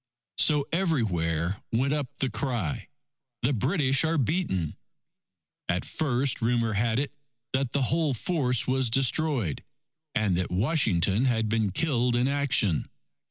So everywhere went up the cry, "The British are beaten!" At first, rumour had it, that the whole force was destroyed, and that Washington had been killed in action.